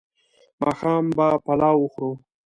ماښام به پلاو وخورو